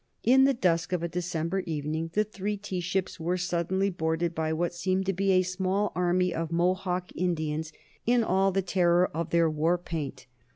In the dusk of a December evening the three tea ships were suddenly boarded by what seemed to be a small army of Mohawk Indians in all the terror of their war paint.